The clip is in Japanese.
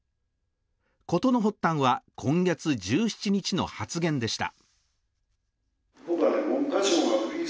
ことの発端は今月１７日の発言でした。